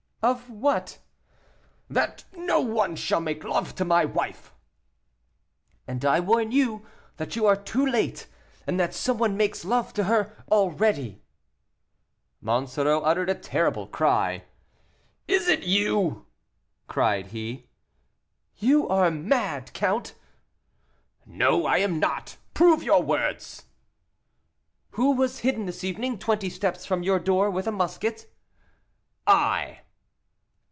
"Of what?" "That no one shall make love to my wife." "And I warn you that you are too late, and that some one makes love to her already." Monsoreau uttered a terrible cry. "Is it you?" cried he. "You are mad, count!" "No, I am not; prove your words." "Who was hidden this evening, twenty steps from your door, with a musket?" "I."